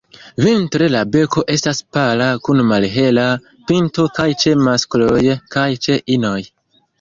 Vintre la beko estas pala kun malhela pinto kaj ĉe maskloj kaj ĉe inoj.